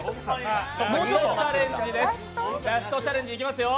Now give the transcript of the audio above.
ラストチャレンジ、いきますよ。